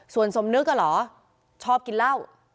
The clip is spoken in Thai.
ส่วนสมนึกอะเหรอชอบกินเหล้า